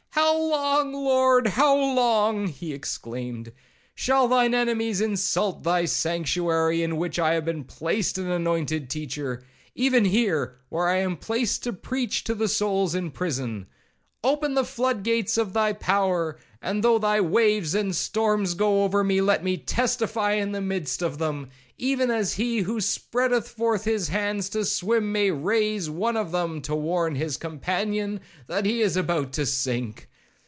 'How long, Lord, how long,' he exclaimed, 'shall thine enemies insult thy sanctuary, in which I have been placed an anointed teacher? even here, where I am placed to preach to the souls in prison?—Open the flood gates of thy power, and though thy waves and storms go over me, let me testify in the midst of them, even as he who spreadeth forth his hands to swim may raise one of them to warn his companion that he is about to sink.